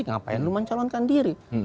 kenapa yang lu mencalonkan diri